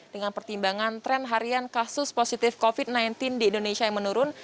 dengan pertimbangan tren harian kasus positif covid sembilan belas di indonesia yang menurun